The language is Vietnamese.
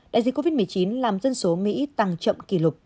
đại dịch covid một mươi chín làm dân số mỹ tăng chậm kỷ lục